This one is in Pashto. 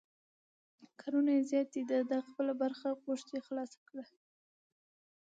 کارونه یې زیات دي، ده خپله برخه غوښې خلاصې کړې.